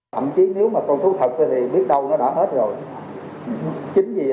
thậm chí nếu mà con thú thật thì biết đâu nó đã hết rồi